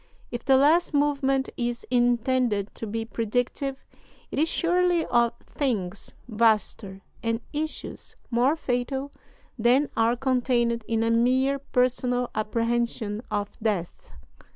If the last movement is intended to be predictive, it is surely of things vaster and issues more fatal than are contained in a mere personal apprehension of death.